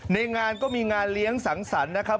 ในงานก็มีงานเลี้ยงสังสรรค์นะครับ